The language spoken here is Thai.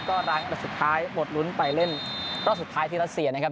ก็ร้างอันดับสุดท้ายหมดลุ้นไปเล่นรอบสุดท้ายที่รัสเซียนะครับ